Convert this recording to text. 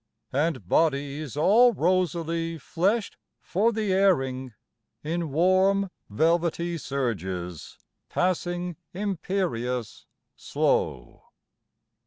And bodies all rosily Fleshed for the airing, In warm velvety surges Passing imperious, slow...